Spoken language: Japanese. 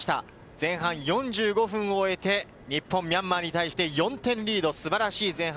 前半４５分を終えて日本、ミャンマーに対して４点リード、素晴らしい前半。